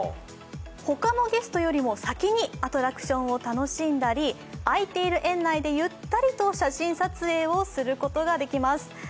他のゲストよりも先にアトラクションを楽しんだり空いている園内でゆったりと写真撮影をすることができます。